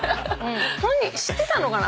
本人知ってたのかな？